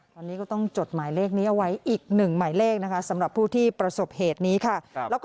ตอนนี้ก็ต้องจดหมายเลขนี้เอาไว้อีกหนึ่งหมายเลขนะคะสำหรับผู้ที่ประสบเหตุนี้ค่ะ